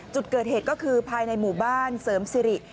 จุดเกิดเหตุก็คือภายในหมู่บ้านเสริมสิริ